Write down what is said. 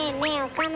岡村。